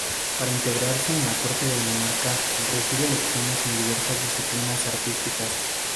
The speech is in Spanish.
Para integrarse en la corte del monarca, recibe lecciones en diversas disciplinas artísticas.